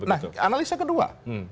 nah analisa kedua